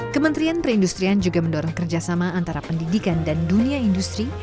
kementerian perindustrian juga mendorong kerjasama antara pendidikan dan dunia industri